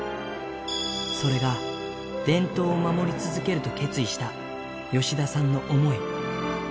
それが伝統を守り続けると決意した吉田さんの想い。